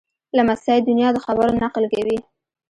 لمسی د نیا د خبرو نقل کوي.